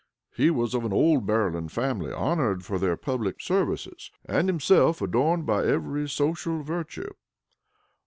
He was of an old Maryland family, honored for their public services, and himself adorned by every social virtue.